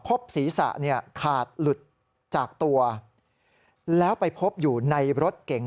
พบศีรษะเนี่ยขาดหลุดจากตัวแล้วไปพบอยู่ในรถเก๋ง